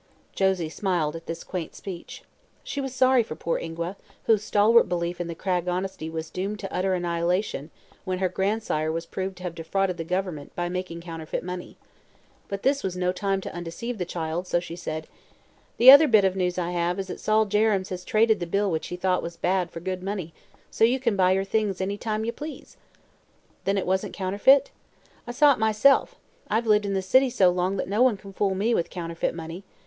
Josie smiled at this quaint speech. She was sorry for poor Ingua, whose stalwart belief in the Cragg honesty was doomed to utter annihilation when her grandsire was proved to have defrauded the Government by making counterfeit money. But this was no time to undeceive the child, so she said: "The other bit of news is that Sol Jerrems has traded the bill which he thought was bad for good money, so you can buy your things any time you please." "Then it wasn't counterfeit?" "I saw it myself. I've lived in the city so long that no one can fool me with counterfeit money.